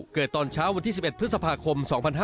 ตอนเช้าวันที่๑๑พฤษภาคม๒๕๕๙